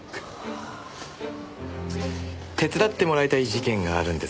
手伝ってもらいたい事件があるんですが。